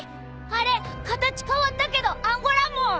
あれ形変わったけどアンゴラモン！